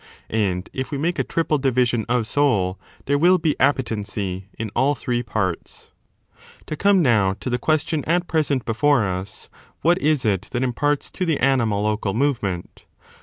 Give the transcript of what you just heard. And, if we make a triple division of soul, there will be appetency in all three parts, To come now to the question at present before us, what is it 4 that imparts to the animal local movement?